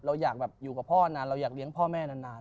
เราอยากอยู่กับพ่อนานเราอยากเลี้ยงพ่อแม่นาน